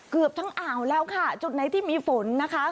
เกือบทั้งอ่าวแล้วค่ะจุดไหนที่มีฝนนะคะ